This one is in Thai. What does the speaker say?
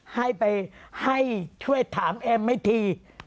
ให้ไปให้ช่วยถามแอมให้ที